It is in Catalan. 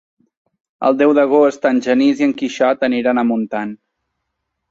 El deu d'agost en Genís i en Quixot aniran a Montant.